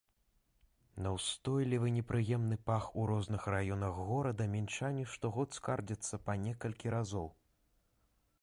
На ўстойлівы непрыемны пах у розных раёнах горада мінчане штогод скардзяцца па некалькі разоў.